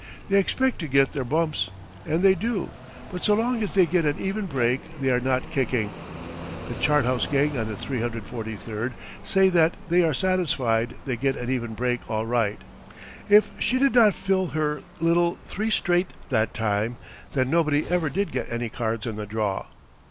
They expect to get their bumps, and they do; but so long as they get an even break they are not kicking. The chart house gang on the 343 say that they are satisfied they get an even break all right. If she did not fill her little three straight that time then nobody ever did get any cards in the draw.